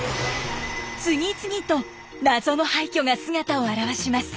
次々と謎の廃虚が姿を現します。